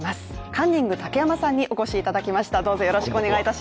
カンニング竹山さんにお越しいただきました。